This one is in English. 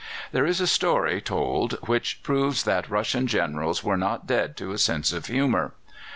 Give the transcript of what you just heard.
There is a story told which proves that Russian Generals were not dead to a sense of humour.